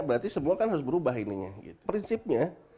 berarti semua kan harus berubah ininya prinsipnya